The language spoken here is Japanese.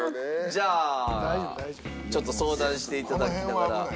じゃあちょっと相談していただきながら。